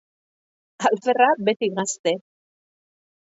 Alferra beti gazte